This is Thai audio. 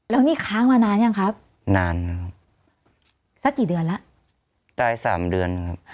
แล้วนี่ค้างมานานยังครับนานครับสักกี่เดือนแล้วตายสามเดือนครับ